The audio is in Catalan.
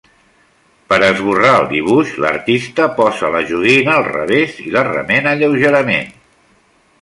Per esborrar el dibuix, l'artista posa la joguina al revés i la remena lleugerament.